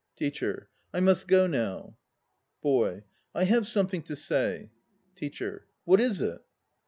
TEACHER. I must go now. BOY. I have something to say. TEACHER. What is it?